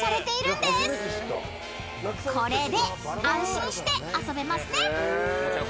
［これで安心して遊べますね］